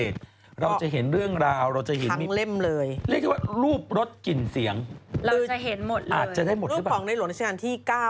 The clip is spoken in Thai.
ถ้าเห็นเท่าไทยรัฐสิมี